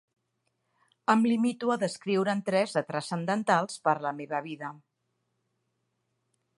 Em limito a descriure'n tres de transcendentals per a la meva vida.